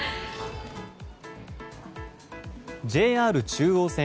ＪＲ中央線